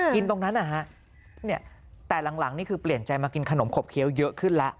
กินตรงนั้นนะฮะเนี่ยแต่หลังนี่คือเปลี่ยนใจมากินขนมขบเคี้ยวเยอะขึ้นแล้ว